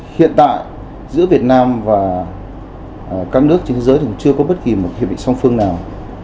hiện tại giữa việt nam và các nước trên thế giới thì cũng chưa có bất kỳ một hiệp định song phương nào